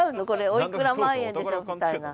おいくら万円でしょうみたいな。